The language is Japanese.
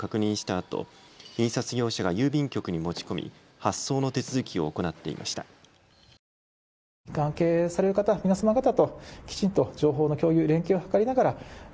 あと印刷業者が郵便局に持ち込み発送の手続きを行っていました。